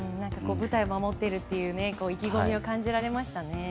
舞台を守っているという意気込みを感じましたね。